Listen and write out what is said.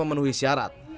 tidak memenuhi syarat